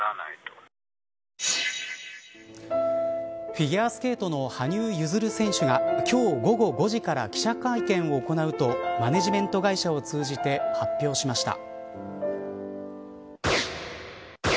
フィギュアスケートの羽生結弦選手が今日午後５時から記者会見を行うとマネジメント会社を通じて発表しました。